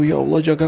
ga ada apa dua